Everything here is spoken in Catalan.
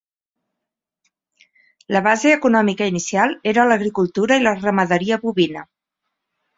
La base econòmica inicial era l'agricultura i la ramaderia bovina.